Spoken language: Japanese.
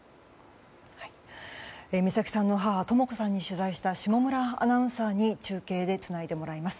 美咲さんの母とも子さんに取材した下村アナウンサーに中継でつないでもらいます。